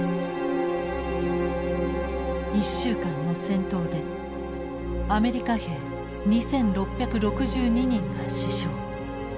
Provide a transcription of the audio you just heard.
１週間の戦闘でアメリカ兵２，６６２人が死傷。